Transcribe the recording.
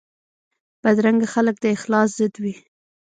بدرنګه خلک د اخلاص ضد وي